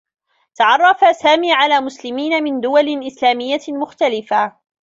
تعرّف سامي على مسلمين من دول إسلاميّة مختلفة.